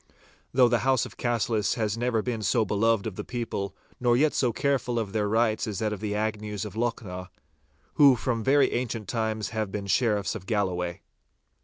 Though the house of Cassillis has never been so beloved of the people nor yet so careful of their rights as that of the Agnews of Lochnaw, who from very ancient times have been Sheriffs of Galloway.